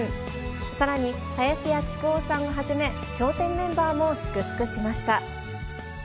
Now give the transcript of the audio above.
さらに、林家木久扇さんをはじめ、笑点メンバーも祝福しました。